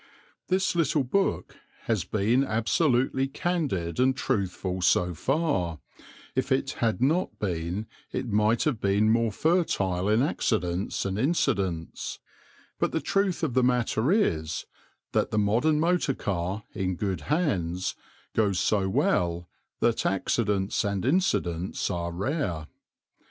This little book has been absolutely candid and truthful so far, if it had not been it might have been more fertile in accidents and incidents; but the truth of the matter is that the modern motor car in good hands goes so well that accidents and incidents are rare.